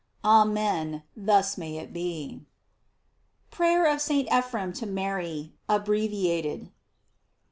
Amen, thus may it be. PRAYER OF ST. EPHREM TO MARY, ABBREVIATED.